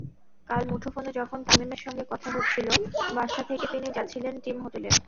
কাল মুঠোফোনে যখন তামিমের সঙ্গে কথা হচ্ছিল, বাসা থেকে তিনি যাচ্ছিলেন টিম হোটেলে।